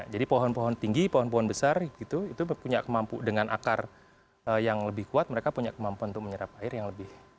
jadi pohon pohon tinggi pohon pohon besar itu punya kemampuan dengan akar yang lebih kuat mereka punya kemampuan untuk menyerap air yang lebih